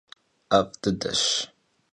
'ef' dıdeş.